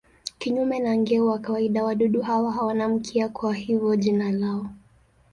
Kinyume na nge wa kawaida wadudu hawa hawana mkia, kwa hivyo jina lao.